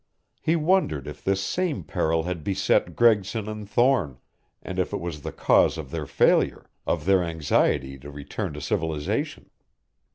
He wondered if this same peril had beset Gregson and Thorne, and if it was the cause of their failure, of their anxiety to return to civilization.